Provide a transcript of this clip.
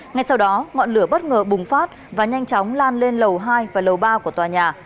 ngay sau đó ngọn lửa bất ngờ bùng phát và nhanh chóng lan lên lầu hai và lầu ba của tòa nhà